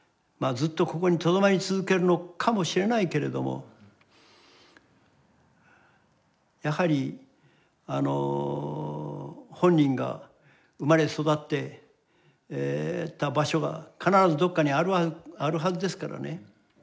ずっとここにとどまり続けるのかもしれないけれどもやはり本人が生まれ育った場所が必ずどこかにあるはずですからね。